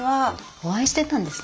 お会いしてたんですね。